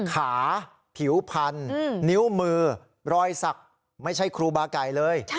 ขาผิวพันธุ์นิ้วมือรอยสักไม่ใช่ครูบาไก่เลย